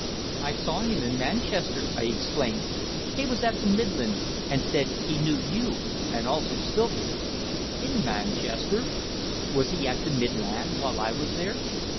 "I saw him in Manchester," I exclaimed. "He was at the Midland, and said he knew you and also Sylvia." "In Manchester! Was he at the Midland while I was there?"